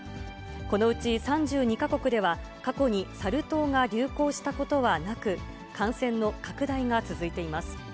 このうち３２か国では、過去にサル痘が流行したことはなく、感染の拡大が続いています。